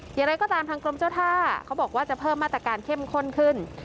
อย่างไรก็ตามทางกรมเจ้าท่าเขาบอกว่าจะเพิ่มมาตรการเข้มข้นขึ้น